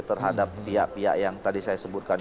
terhadap pihak pihak yang tadi saya sebutkan